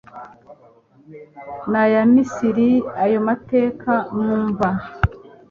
ni aya Misiri ayo mateka mwumva